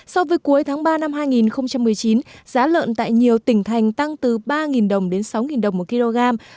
so với cuối tháng ba năm hai nghìn một mươi chín giá lợn tại nhiều tỉnh thành tăng từ ba đồng đến sáu đồng một kg